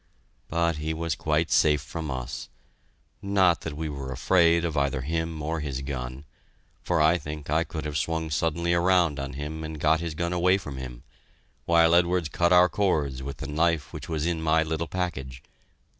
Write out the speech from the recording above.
But he was quite safe from us; not that we were afraid of either him or his gun, for I think I could have swung suddenly around on him and got his gun away from him, while Edwards cut our cords with the knife which was in my little package.